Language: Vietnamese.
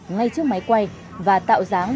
ngay trước máy quay và tạo dáng